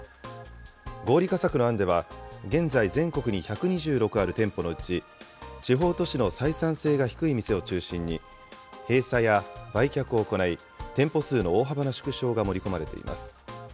合理化策の案では、現在、全国に１２６ある店舗のうち、地方都市の採算性が低い店を中心に、閉鎖や売却を行い、店舗数の大幅な縮小が盛り込まれています。